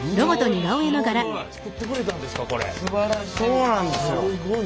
そうなんですよ。